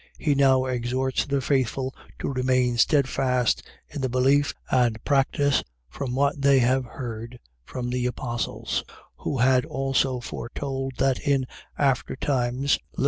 .He now exhorts the faithful to remain steadfast in the belief and practice of what they had heard from the apostles, who had also foretold that in aftertimes (lit.